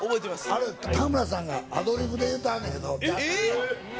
あれ田村さんがアドリブで言うてはんねんけどえーっ！？